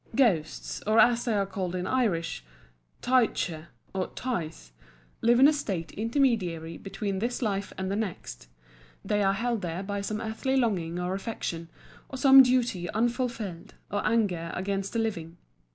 Ghosts, or as they are called in Irish, Thevshi or Tash (taidhbhse, tais), live in a state intermediary between this life and the next. They are held there by some earthly longing or affection, or some duty unfulfilled, or anger against the living.